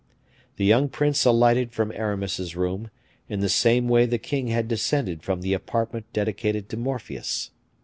The young prince alighted from Aramis's room, in the same way the king had descended from the apartment dedicated to Morpheus.